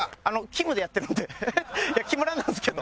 いや木村なんですけど。